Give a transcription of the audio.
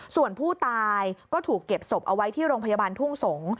ส่วนผู้ตายก็ถูกเก็บศพเอาไว้ที่โรงพยาบาลทุ่งสงศ์